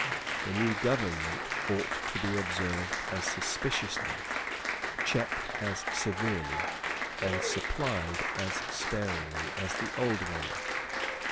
The new government ought to be observed as suspiciously, checked as severely, and supplied as sparingly as the old one.